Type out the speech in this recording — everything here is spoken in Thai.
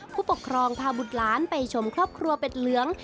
ผู้ปกครองพาบุตรหลานไปชมครอบครัวเป็ดเหลือง